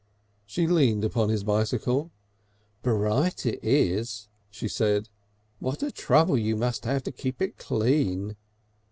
She leaned upon his bicycle. "Bright it is!" she said. "What a trouble you must have to keep it clean!"